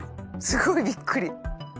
すごいびっくり。